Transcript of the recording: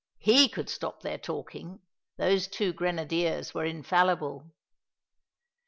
He could stop their talking those two grenadiers were infallible.